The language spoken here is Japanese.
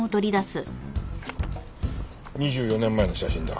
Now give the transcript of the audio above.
２４年前の写真だ。